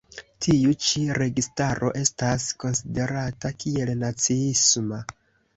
Tiu ĉi registaro estas konsiderata kiel naciisma.